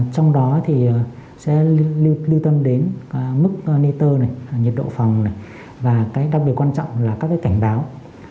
trong đó thì sẽ lưu tâm đến mức nê tơ nhiệt độ phòng và cái đặc biệt quan trọng là các cảnh báo